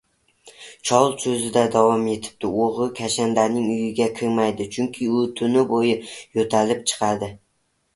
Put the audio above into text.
Chol soʻzida davom etibdi: “Oʻgʻri kashandaning uyiga kirmaydi, chunki u tun boʻyi yoʻtalib chiqadi.